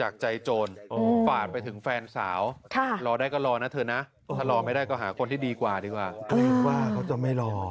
ขอบคุณครับ